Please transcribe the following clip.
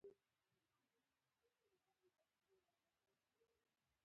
انسان ټولنه ژوند کې بدلون نه رامنځته کېږي.